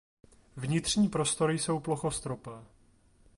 Vnitřní prostory jsou plochostropé.